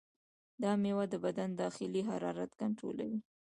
دا میوه د بدن د داخلي حرارت کنټرولوي.